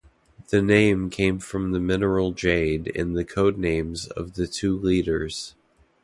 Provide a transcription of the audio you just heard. The name came from the mineral jade and the codenames of the two leaders.